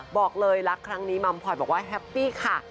บอกเลยรักครั้งนี้มัมพลอยบอกว่าแฮปปี้ค่ะ